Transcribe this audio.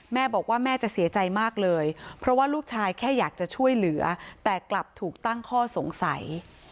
แม่บอกว่าแม่จะเสียใจมากเลยเพราะว่าลูกชายแค่อยากจะช่วยเหลือแต่กลับถูกตั้งข้อสงสัย